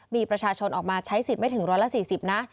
มีประชาชนออกมาใช้สิทธิ์ไม่ถึง๑๔๐นะ